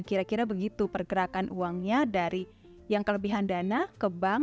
kira kira begitu pergerakan uangnya dari yang kelebihan dana ke bank